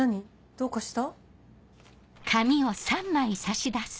どうかした？